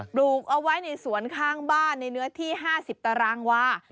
ปลูกเอาไว้ในสวนข้างบ้านในเนื้อที่๕๐ตารางวา